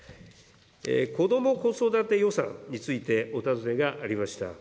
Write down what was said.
子ども子育て予算についてお尋ねがありました。